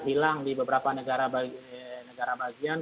hilang di beberapa negara bagian